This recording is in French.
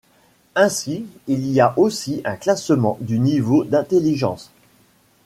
Ainsi, il y a aussi un classement du niveau d'intelligence.